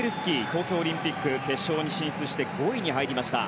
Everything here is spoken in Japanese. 東京オリンピック決勝に進出して５位に入りました。